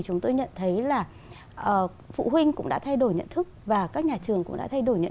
chúng tôi nhận thấy là phụ huynh cũng đã thay đổi nhận thức và các nhà trường cũng đã thay đổi nhận